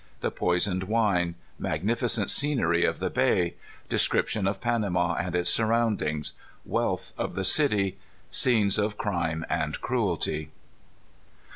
The Poisoned Wine. Magnificent Scenery of the Bay. Description of Panama and its Surroundings. Wealth of the City. Scenes of Crime and Cruelty.